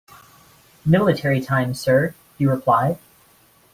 "Military time, sir," he replied.